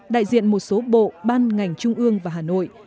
đại diện một số bộ ban ngành trung ương và hà nội